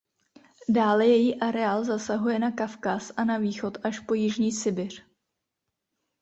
Dále její areál zasahuje na Kavkaz a na východ až po jižní Sibiř.